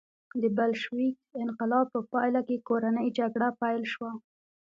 د بلشویک انقلاب په پایله کې کورنۍ جګړه پیل شوه.